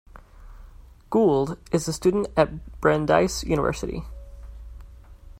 Gould is a student at Brandeis University.